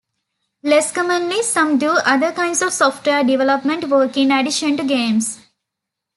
Less commonly, some do other kinds of software-development work in addition to games.